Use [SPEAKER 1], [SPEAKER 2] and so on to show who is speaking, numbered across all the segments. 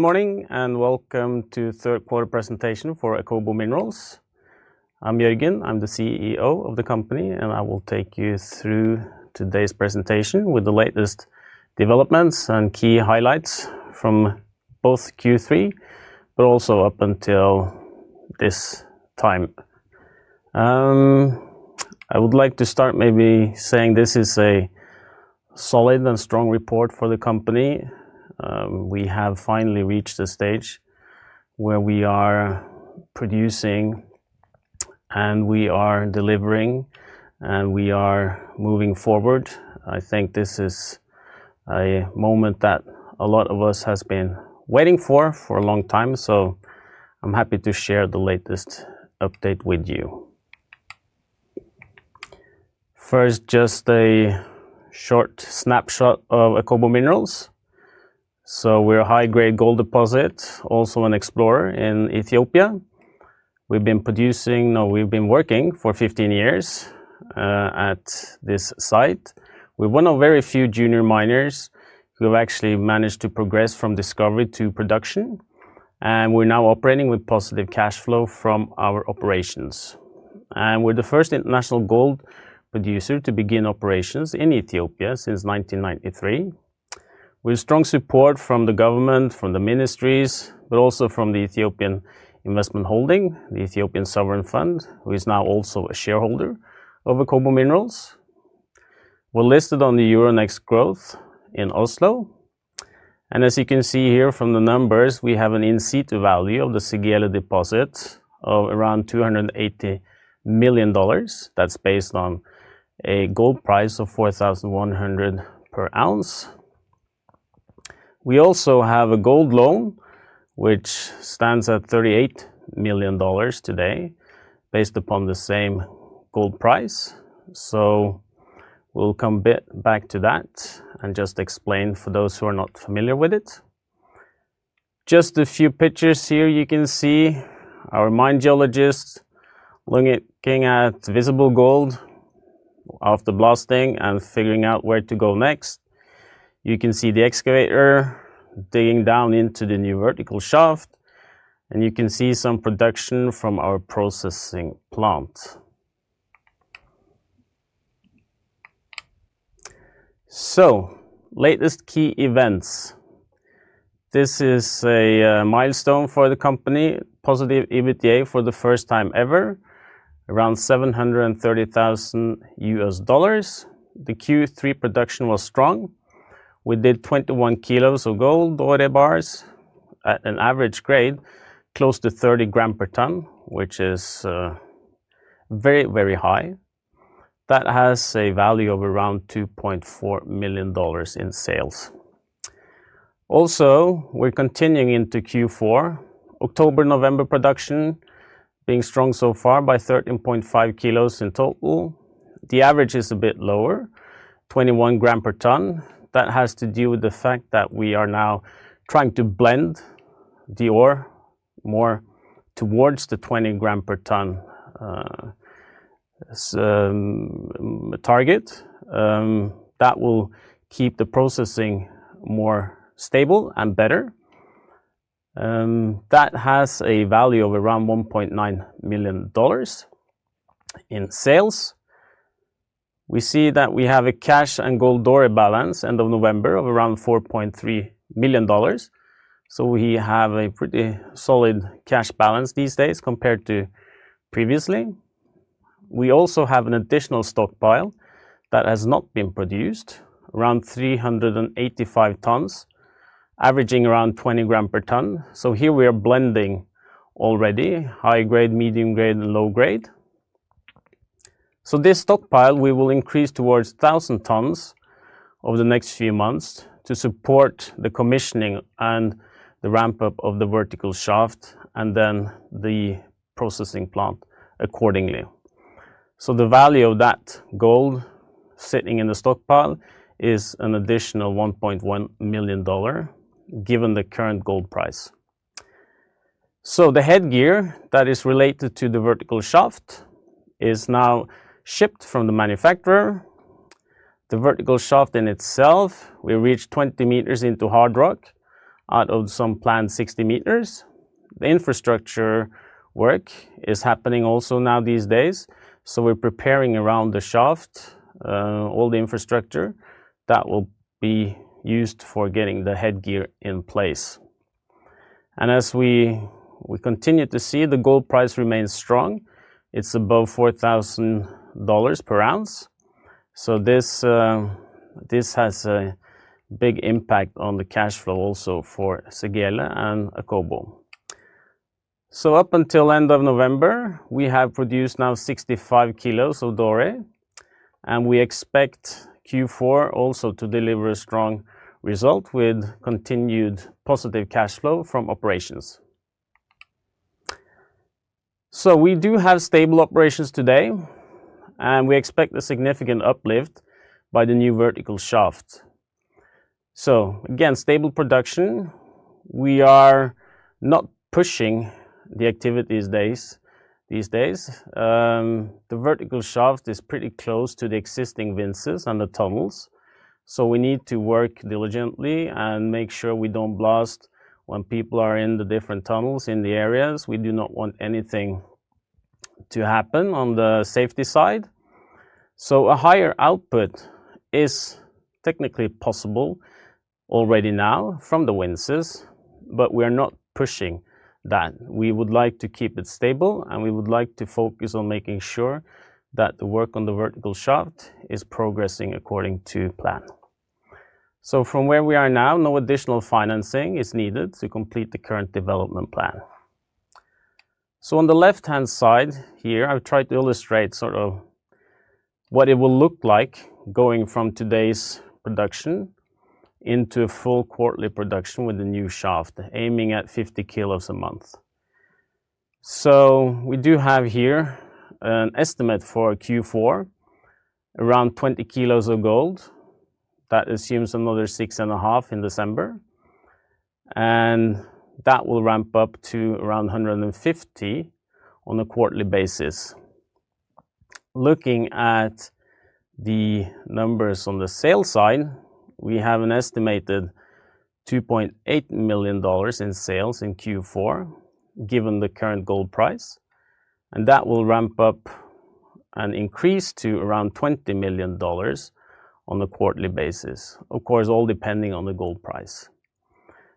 [SPEAKER 1] Good morning and welcome to the third quarter presentation for Akobo Minerals. I'm Jørgen, I'm the CEO of the company, and I will take you through today's presentation with the latest developments and key highlights from both Q3, but also up until this time. I would like to start maybe saying this is a solid and strong report for the company. We have finally reached the stage where we are producing, and we are delivering, and we are moving forward. I think this is a moment that a lot of us have been waiting for, for a long time, so I'm happy to share the latest update with you. First, just a short snapshot of Akobo Minerals. So we're a high-grade gold deposit, also an explorer in Ethiopia. We've been producing, no, we've been working for 15 years at this site. We're one of very few Junior miners who have actually managed to progress from discovery to production, and we're now operating with positive cash flow from our operations, and we're the first international gold producer to begin operations in Ethiopia since 1993. With strong support from the government, from the ministries, but also from the Ethiopian Investment Holdings, the Ethiopian sovereign fund, who is now also a shareholder of Akobo Minerals, we're listed on the Euronext Growth in Oslo, and as you can see here from the numbers, we have an in-situ value of the Segele deposit of around $280 million. That's based on a gold price of $4,100 per ounce. We also have a gold loan, which stands at $38 million today, based upon the same gold price, so we'll come back to that and just explain for those who are not familiar with it. Just a few pictures here, you can see our mine geologists looking at visible gold after blasting and figuring out where to go next. You can see the excavator digging down into the new vertical shaft, and you can see some production from our processing plant. So, latest key events. This is a milestone for the company, positive EBITDA for the first time ever, around $730,000. The Q3 production was strong. We did 21 kilos of gold, doré bars, at an average grade close to 30 grams per ton, which is very, very high. That has a value of around $2.4 million in sales. Also, we're continuing into Q4. October-November production being strong so far by 13.5 kilos in total. The average is a bit lower, 21 grams per ton. That has to do with the fact that we are now trying to blend the ore more towards the 20 grams per ton target. That will keep the processing more stable and better. That has a value of around $1.9 million in sales. We see that we have a cash and gold ore balance end of November of around $4.3 million. So we have a pretty solid cash balance these days compared to previously. We also have an additional stockpile that has not been produced, around 385 tons, averaging around 20 grams per ton. So here we are blending already, high grade, medium grade, and low grade. So this stockpile we will increase towards 1,000 tons over the next few months to support the commissioning and the ramp-up of the vertical shaft and then the processing plant accordingly. So the value of that gold sitting in the stockpile is an additional $1.1 million given the current gold price. So headgear that is related to the vertical shaft is now shipped from the manufacturer. The vertical shaft in itself, we reached 20 meters into hard rock out of some planned 60 meters. The infrastructure work is happening also now these days. So we're preparing around the shaft all the infrastructure that will be used for getting headgear in place. And as we continue to see, the gold price remains strong. It's above $4,000 per ounce. So this has a big impact on the cash flow also for Segele and Akobo. So up until end of November, we have produced now 65 kilos of doré. And we expect Q4 also to deliver a strong result with continued positive cash flow from operations. So we do have stable operations today, and we expect a significant uplift by the new vertical shaft. So again, stable production. We are not pushing the activity these days. The vertical shaft is pretty close to the existing winzes and the tunnels. So we need to work diligently and make sure we don't blast when people are in the different tunnels in the areas. We do not want anything to happen on the safety side. So a higher output is technically possible already now from the winzes, but we are not pushing that. We would like to keep it stable, and we would like to focus on making sure that the work on the vertical shaft is progressing according to plan. So from where we are now, no additional financing is needed to complete the current development plan. So on the left-hand side here, I've tried to illustrate sort of what it will look like going from today's production into full quarterly production with the new shaft, aiming at 50 kilos a month. So we do have here an estimate for Q4, around 20 kilos of gold. That assumes another six and a half in December. And that will ramp up to around 150 on a quarterly basis. Looking at the numbers on the sales side, we have an estimated $2.8 million in sales in Q4, given the current gold price. And that will ramp up and increase to around $20 million on a quarterly basis, of course, all depending on the gold price.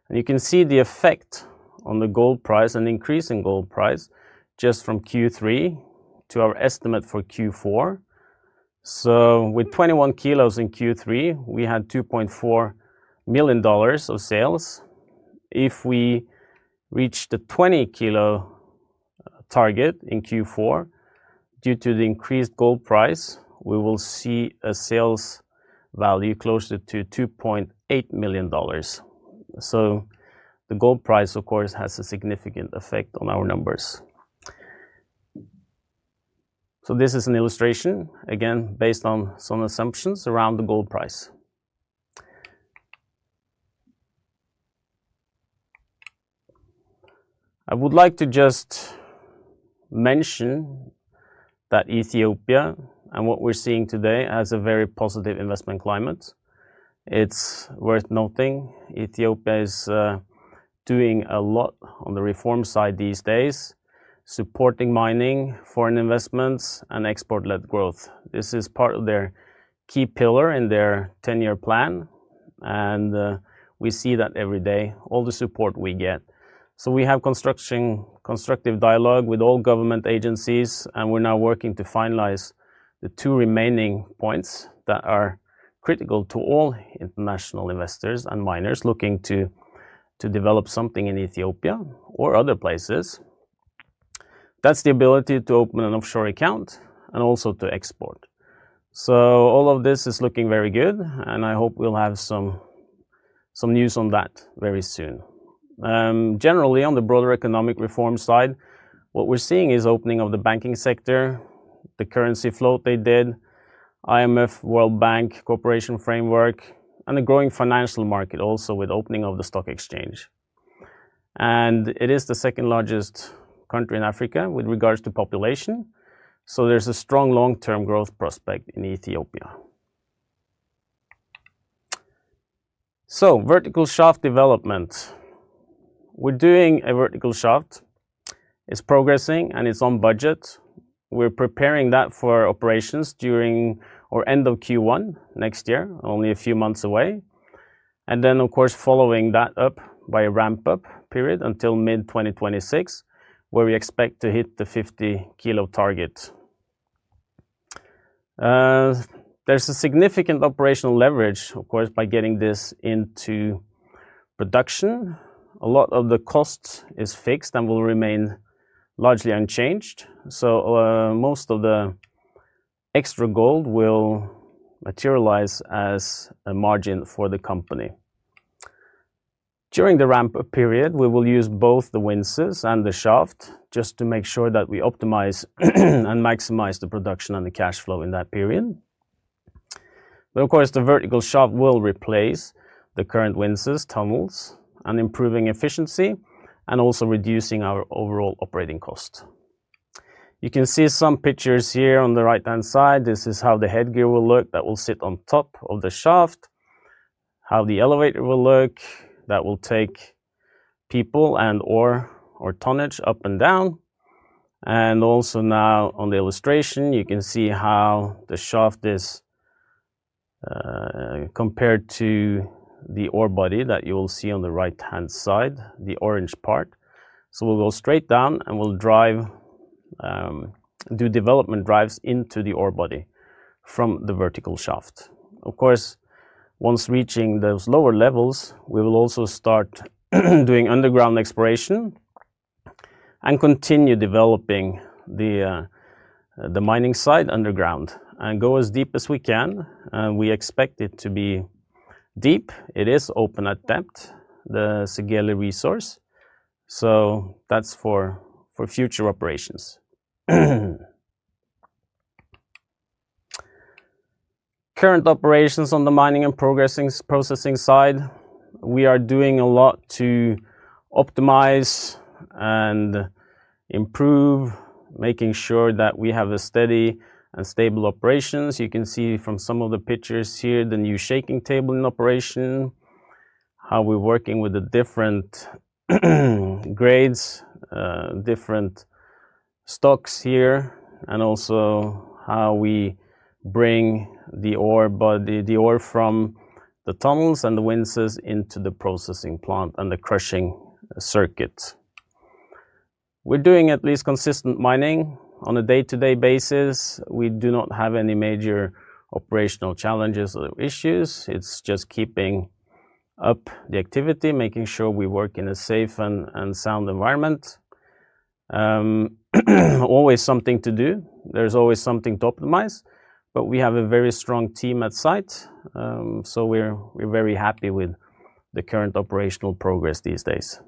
[SPEAKER 1] And you can see the effect on the gold price, an increase in gold price, just from Q3 to our estimate for Q4. So with 21 kilos in Q3, we had $2.4 million of sales. If we reach the 20 kilo target in Q4, due to the increased gold price, we will see a sales value closer to $2.8 million. So the gold price, of course, has a significant effect on our numbers. So this is an illustration, again, based on some assumptions around the gold price. I would like to just mention that Ethiopia and what we're seeing today has a very positive investment climate. It's worth noting Ethiopia is doing a lot on the reform side these days, supporting mining, foreign investments, and export-led growth. This is part of their key pillar in their 10-year plan. And we see that every day, all the support we get. So we have constructive dialogue with all government agencies, and we're now working to finalize the two remaining points that are critical to all international investors and miners looking to develop something in Ethiopia or other places. That's the ability to open an offshore account and also to export. So all of this is looking very good, and I hope we'll have some news on that very soon. Generally, on the broader economic reform side, what we're seeing is opening of the banking sector, the currency float they did, IMF, World Bank, cooperation framework, and a growing financial market also with opening of the stock exchange. And it is the second largest country in Africa with regards to population. So there's a strong long-term growth prospect in Ethiopia. Vertical shaft development. We're doing a vertical shaft. It's progressing, and it's on budget. We're preparing that for operations during or end of Q1 next year, only a few months away, and then, of course, following that up by a ramp-up period until mid-2026, where we expect to hit the 50 kilo target. There's a significant operational leverage, of course, by getting this into production. A lot of the cost is fixed and will remain largely unchanged, so most of the extra gold will materialize as a margin for the company. During the ramp-up period, we will use both the winzes and the shaft just to make sure that we optimize and maximize the production and the cash flow in that period, but of course, the vertical shaft will replace the current winzes, tunnels, and improving efficiency, and also reducing our overall operating cost. You can see some pictures here on the right-hand side. This is how headgear will look that will sit on top of the shaft, how the elevator will look that will take people and ore or tonnage up and down, and also now on the illustration, you can see how the shaft is compared to the ore body that you will see on the right-hand side, the orange part, so we'll go straight down and we'll drive, do development drives into the ore body from the vertical shaft. Of course, once reaching those lower levels, we will also start doing underground exploration and continue developing the mining site underground and go as deep as we can, and we expect it to be deep. It is open at depth, the Segele resource, so that's for future operations. Current operations on the mining and processing side, we are doing a lot to optimize and improve, making sure that we have steady and stable operations. You can see from some of the pictures here the new shaking table in operation, how we're working with the different grades, different stocks here, and also how we bring the ore from the tunnels and the winzes into the processing plant and the crushing circuit. We're doing at least consistent mining on a day-to-day basis. We do not have any major operational challenges or issues. It's just keeping up the activity, making sure we work in a safe and sound environment. Always something to do. There's always something to optimize. But we have a very strong team at site. So we're very happy with the current operational progress these days.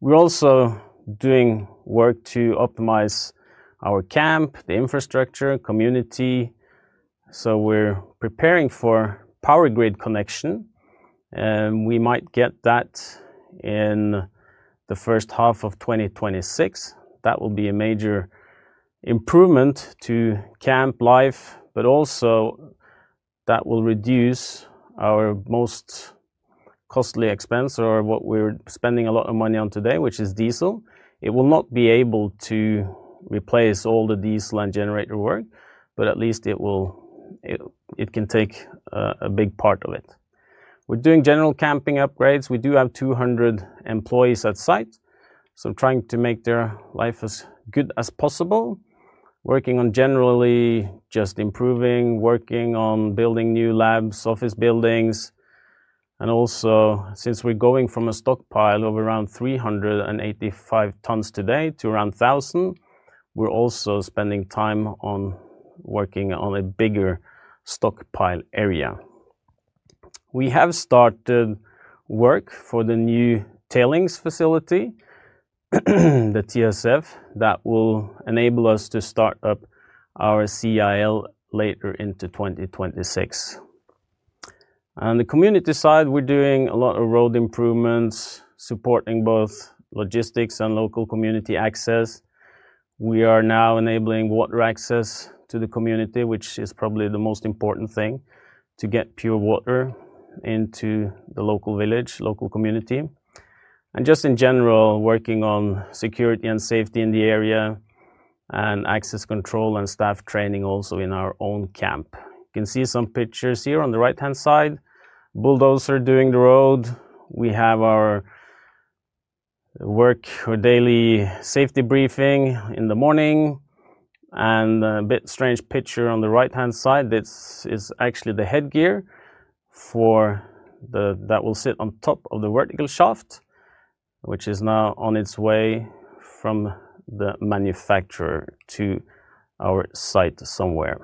[SPEAKER 1] We're also doing work to optimize our camp, the infrastructure, community. So we're preparing for power grid connection. We might get that in the first half of 2026. That will be a major improvement to camp life, but also that will reduce our most costly expense or what we're spending a lot of money on today, which is diesel. It will not be able to replace all the diesel and generator work, but at least it can take a big part of it. We're doing general camping upgrades. We do have 200 employees at site. So trying to make their life as good as possible, working on generally just improving, working on building new labs, office buildings. And also, since we're going from a stockpile of around 385 tons today to around 1,000, we're also spending time on working on a bigger stockpile area. We have started work for the new tailings facility, the TSF, that will enable us to start up our CIL later into 2026. On the community side, we're doing a lot of road improvements, supporting both logistics and local community access. We are now enabling water access to the community, which is probably the most important thing to get pure water into the local village, local community, and just in general, working on security and safety in the area and access control and staff training also in our own camp. You can see some pictures here on the right-hand side. Bulldozer doing the road. We have our work or daily safety briefing in the morning. And a bit strange picture on the right-hand side. This is actually headgear that will sit on top of the vertical shaft, which is now on its way from the manufacturer to our site somewhere.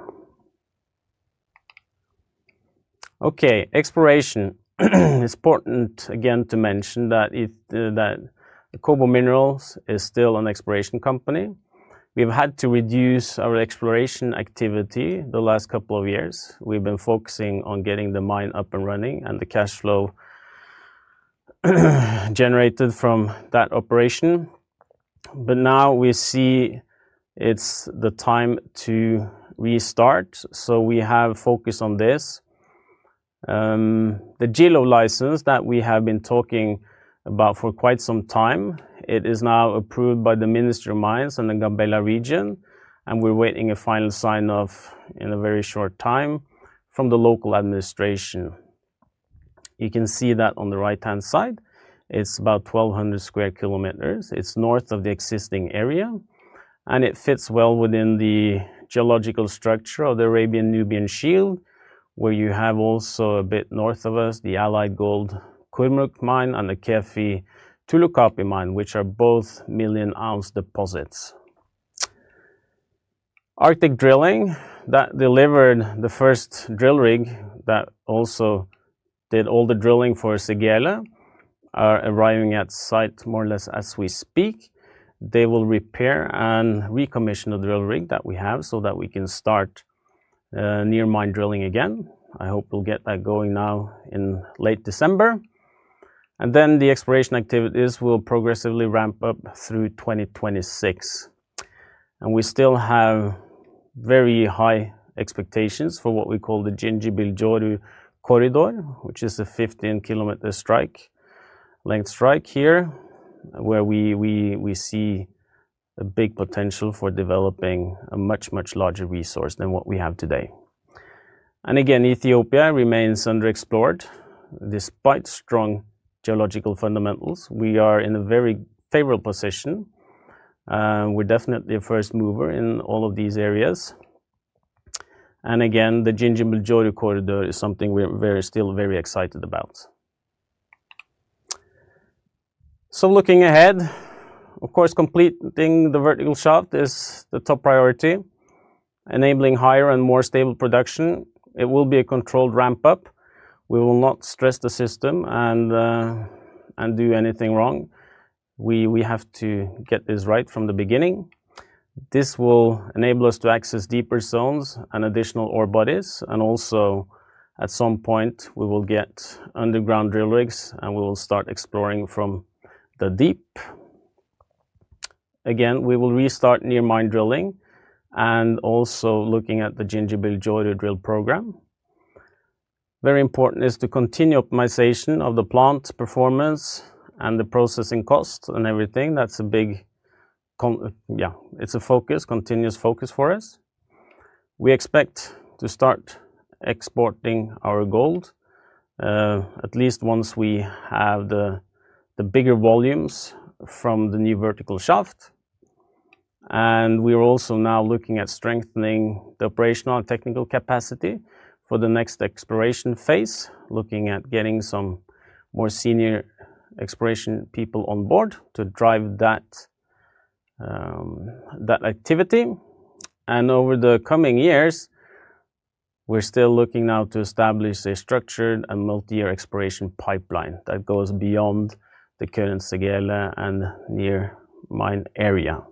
[SPEAKER 1] Okay, exploration. It's important again to mention that Akobo Minerals is still an exploration company. We've had to reduce our exploration activity the last couple of years. We've been focusing on getting the mine up and running and the cash flow generated from that operation, but now we see it's the time to restart, so we have focused on this. The Gilo license that we have been talking about for quite some time. It is now approved by the Ministry of Mines and the Gambela region, and we're waiting a final sign-off in a very short time from the local administration. You can see that on the right-hand side. It's about 1,200 sq km. It's north of the existing area, and it fits well within the geological structure of the Arabian-Nubian Shield, where you have also a bit north of us, the Allied Gold Kurmuk mine and the KEFI Tulu Kapi mine, which are both million-ounce deposits. Arctic Drilling that delivered the first drill rig that also did all the drilling for Segele are arriving at site more or less as we speak. They will repair and recommission the drill rig that we have so that we can start near mine drilling again. I hope we'll get that going now in late December, and then the exploration activities will progressively ramp up through 2026. And we still have very high expectations for what we call the Gindibab-Joru Corridor, which is a 15 km strike, length strike here, where we see a big potential for developing a much, much larger resource than what we have today. And again, Ethiopia remains underexplored. Despite strong geological fundamentals, we are in a very favorable position. We're definitely a first mover in all of these areas. And again, the Gindibab-Joru Corridor is something we're still very excited about. So looking ahead, of course, completing the vertical shaft is the top priority, enabling higher and more stable production. It will be a controlled ramp-up. We will not stress the system and do anything wrong. We have to get this right from the beginning. This will enable us to access deeper zones and additional ore bodies. And also, at some point, we will get underground drill rigs and we will start exploring from the deep. Again, we will restart near mine drilling and also looking at the Gindibab-Joru drill program. Very important is to continue optimization of the plant's performance and the processing cost and everything. That's a big, yeah, it's a focus, continuous focus for us. We expect to start exporting our gold at least once we have the bigger volumes from the new vertical shaft. And we are also now looking at strengthening the operational and technical capacity for the next exploration phase, looking at getting some more senior exploration people on board to drive that activity. And over the coming years, we're still looking now to establish a structured and multi-year exploration pipeline that goes beyond the current Segele and near mine area.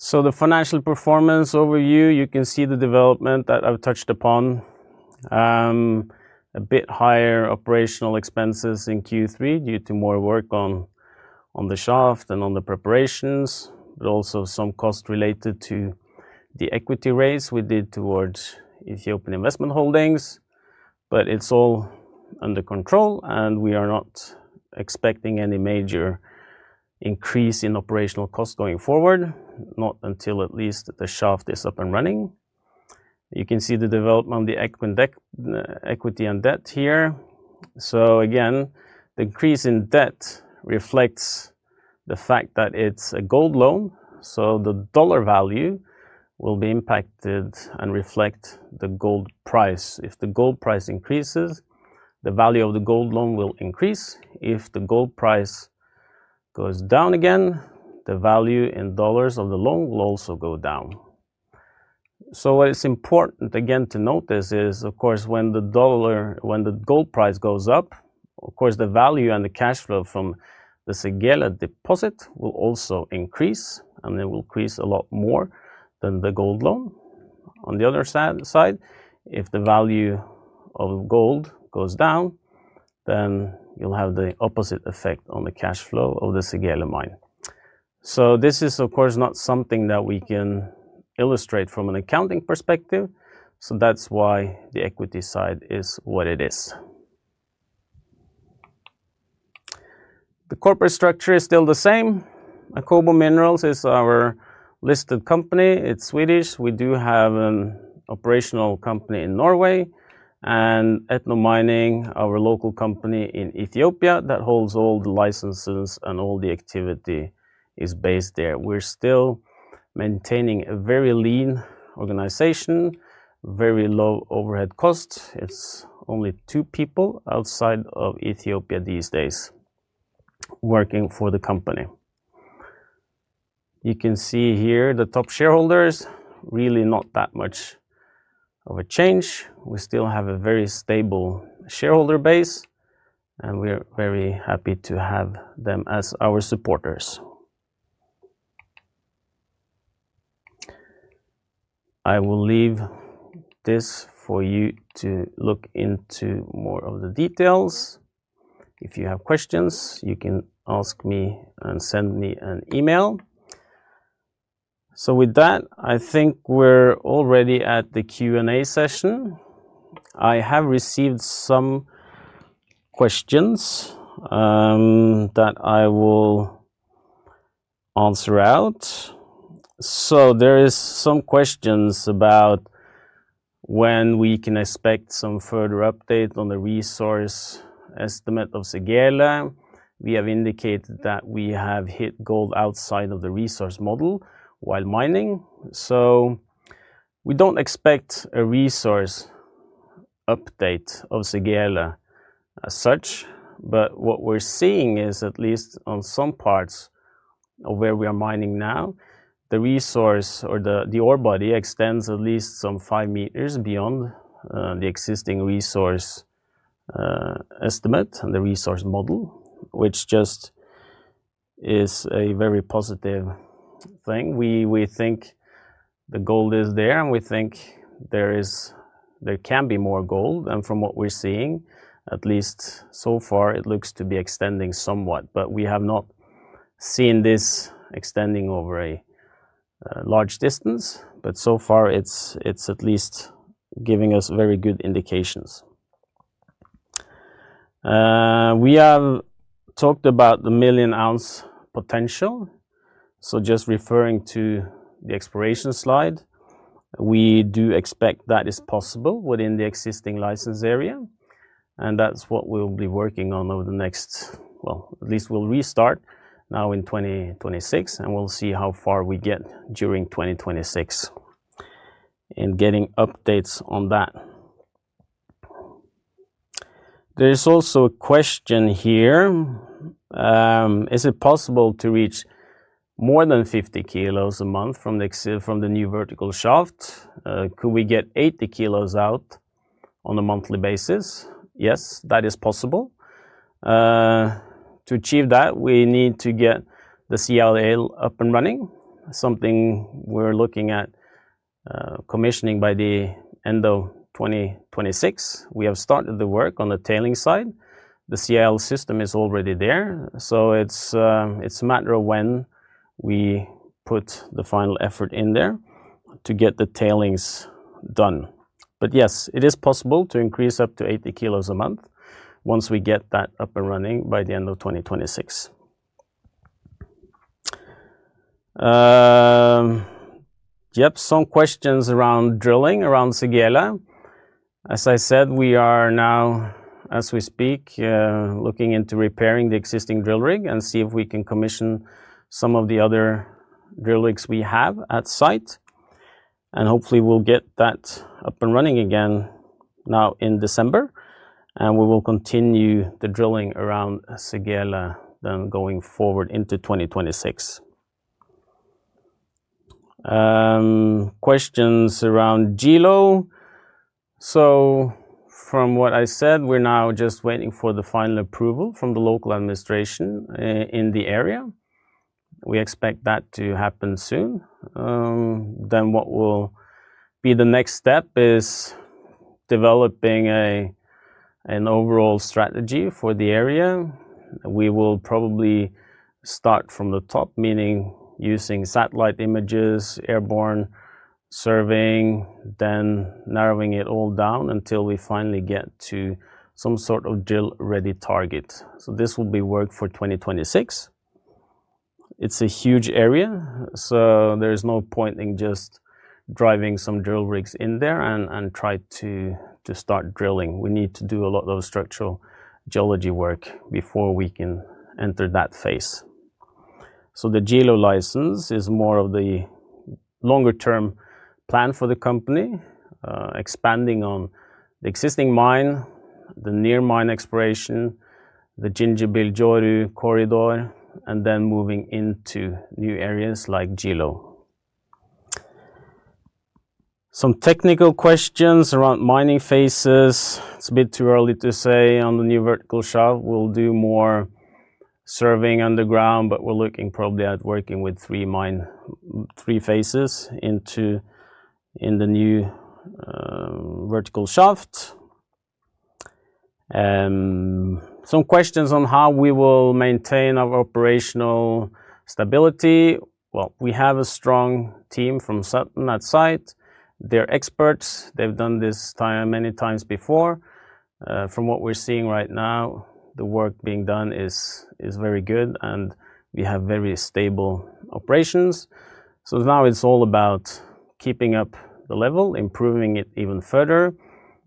[SPEAKER 1] So the financial performance overview, you can see the development that I've touched upon. A bit higher operational expenses in Q3 due to more work on the shaft and on the preparations, but also some cost related to the equity raise we did towards Ethiopian Investment Holdings. But it's all under control and we are not expecting any major increase in operational cost going forward, not until at least the shaft is up and running. You can see the development of the equity and debt here. So again, the increase in debt reflects the fact that it's a gold loan. So the dollar value will be impacted and reflect the gold price. If the gold price increases, the value of the gold loan will increase. If the gold price goes down again, the value in dollars of the loan will also go down. So what it's important again to notice is, of course, when the dollar, when the gold price goes up, of course, the value and the cash flow from the Segele deposit will also increase and it will increase a lot more than the gold loan. On the other side, if the value of gold goes down, then you'll have the opposite effect on the cash flow of the Segele mine. So this is, of course, not something that we can illustrate from an accounting perspective. So that's why the equity side is what it is. The corporate structure is still the same. Akobo Minerals is our listed company. It's Swedish. We do have an operational company in Norway and Etno Mining, our local company in Ethiopia that holds all the licenses and all the activity is based there. We're still maintaining a very lean organization, very low overhead costs. It's only two people outside of Ethiopia these days working for the company. You can see here the top shareholders, really not that much of a change. We still have a very stable shareholder base and we're very happy to have them as our supporters. I will leave this for you to look into more of the details. If you have questions, you can ask me and send me an email. So with that, I think we're already at the Q&A session. I have received some questions that I will answer out. So there are some questions about when we can expect some further update on the resource estimate of Segele. We have indicated that we have hit gold outside of the resource model while mining. So we don't expect a resource update of Segele as such. But what we're seeing is at least on some parts of where we are mining now, the resource or the ore body extends at least some five meters beyond the existing resource estimate and the resource model, which just is a very positive thing. We think the gold is there and we think there can be more gold. And from what we're seeing, at least so far, it looks to be extending somewhat. But we have not seen this extending over a large distance. But so far, it's at least giving us very good indications. We have talked about the million-ounce potential. So just referring to the exploration slide, we do expect that is possible within the existing license area. That's what we'll be working on over the next, well, at least we'll restart now in 2026 and we'll see how far we get during 2026 in getting updates on that. There's also a question here. Is it possible to reach more than 50 kilos a month from the new vertical shaft? Could we get 80 kilos out on a monthly basis? Yes, that is possible. To achieve that, we need to get the CIL up and running, something we're looking at commissioning by the end of 2026. We have started the work on the tailings side. The CIL system is already there. It's a matter of when we put the final effort in there to get the tailings done. Yes, it is possible to increase up to 80 kilos a month once we get that up and running by the end of 2026. Yep, some questions around drilling around Segele. As I said, we are now, as we speak, looking into repairing the existing drill rig and see if we can commission some of the other drill rigs we have at site, and hopefully, we'll get that up and running again now in December, and we will continue the drilling around Segele then going forward into 2026. Questions around Gilo, so from what I said, we're now just waiting for the final approval from the local administration in the area. We expect that to happen soon, then what will be the next step is developing an overall strategy for the area. We will probably start from the top, meaning using satellite images, airborne surveying, then narrowing it all down until we finally get to some sort of drill-ready target, so this will be work for 2026. It's a huge area. There's no point in just driving some drill rigs in there and try to start drilling. We need to do a lot of structural geology work before we can enter that phase. The Gilo license is more of the longer-term plan for the company, expanding on the existing mine, the near mine exploration, the Gindibab-Joru Corridor, and then moving into new areas like Gilo. Some technical questions around mining phases. It's a bit too early to say on the new vertical shaft. We'll do more surveying underground, but we're looking probably at working with three phases into the new vertical shaft. Some questions on how we will maintain our operational stability. We have a strong team from at site. They're experts. They've done this many times before. From what we're seeing right now, the work being done is very good and we have very stable operations. So now it's all about keeping up the level, improving it even further,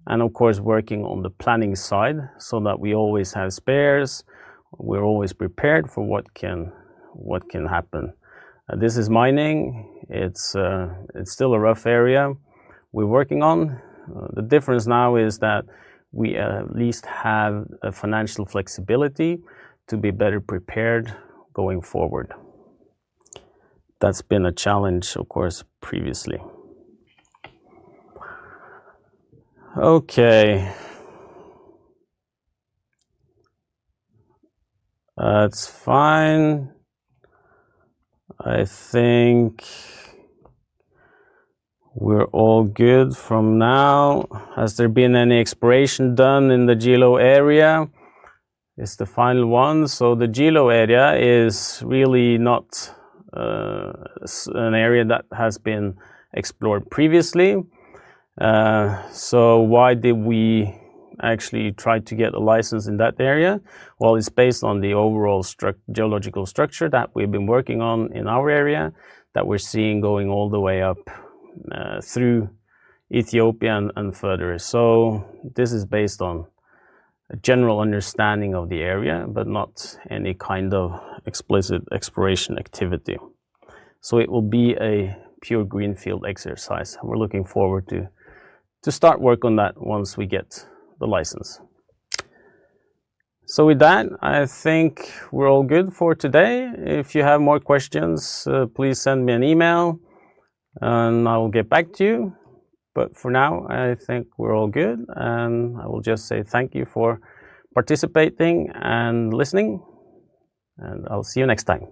[SPEAKER 1] and of course, working on the planning side so that we always have spares. We're always prepared for what can happen. This is mining. It's still a rough area we're working on. The difference now is that we at least have a financial flexibility to be better prepared going forward. That's been a challenge, of course, previously.
[SPEAKER 2] Okay. That's fine. I think we're all good from now.
[SPEAKER 1] Has there been any exploration done in the Gilo area? It's the final one. So the Gilo area is really not an area that has been explored previously. So why did we actually try to get a license in that area? It's based on the overall geological structure that we've been working on in our area that we're seeing going all the way up through Ethiopia and further. This is based on a general understanding of the area, but not any kind of explicit exploration activity. It will be a pure greenfield exercise. We're looking forward to starting work on that once we get the license. With that, I think we're all good for today. If you have more questions, please send me an email and I will get back to you. For now, I think we're all good. I will just say thank you for participating and listening. I'll see you next time.